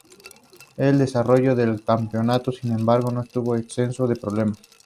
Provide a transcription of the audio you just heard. El desarrollo del campeonato sin embargo no estuvo exento de problemas.